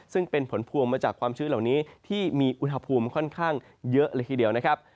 ซึ่งเป็นผลพวงมาจากความชื้นเหล่านี้ที่มีอุณหภูมิค่อนข้างเยอะเลยทีเดียวนะครับ